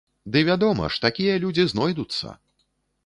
Ды вядома ж, такія людзі знойдуцца!